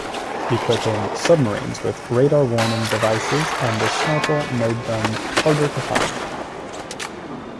Equipping submarines with radar-warning devices and the snorkel made them harder to find.